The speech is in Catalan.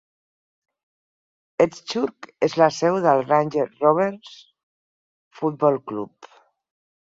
Eastchurch és la seu del Range Rovers Football Club.